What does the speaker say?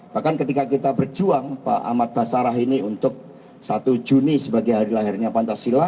bahkan ketika kita berjuang pak ahmad basarah ini untuk satu juni sebagai hari lahirnya pancasila